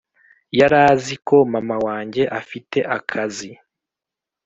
Yaraziko mama wanjye afite akazi